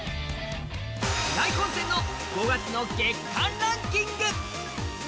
大混戦の５月の月間ランキング。